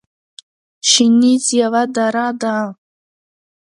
شنیز یوه دره ده